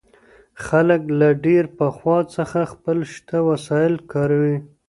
خلګ له ډېر پخوا څخه خپل شته وسايل کاروي.